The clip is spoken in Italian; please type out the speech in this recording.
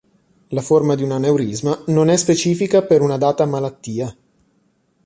La forma di un aneurisma non è specifica per una data malattia.